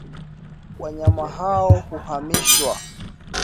wanyama hao huhamishiwa